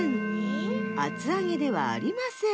あつあげではありません。